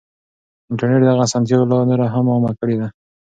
انټرنټ دغه اسانتيا لا نوره هم عامه کړې ده.